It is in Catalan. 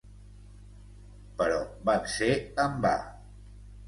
Però van ser en va.